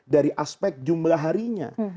dari aspek jumlah harinya